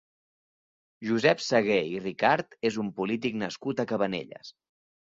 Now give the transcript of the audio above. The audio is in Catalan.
Josep Saguer i Ricart és un polític nascut a Cabanelles.